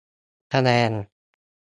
คะแนน